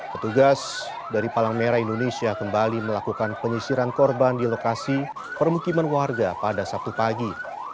petugas dari palang merah indonesia kembali melakukan penyisiran korban di lokasi permukiman warga pada sabtu pagi